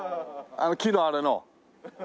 あの木のあれの。